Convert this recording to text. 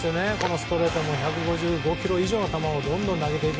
ストレートも１５５キロ以上の球をどんどん投げていく。